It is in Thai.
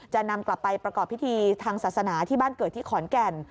จะนำกลับไปประกอบพิธีทางศาสนาที่บ้านเกิดที่ขอนแก่น